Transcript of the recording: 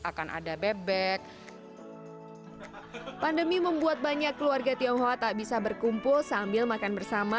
akan ada bebek pandemi membuat banyak keluarga tionghoa tak bisa berkumpul sambil makan bersama